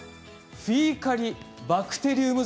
フィーカリバクテリウム